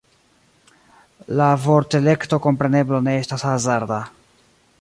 La vortelekto kompreneble ne estas hazarda.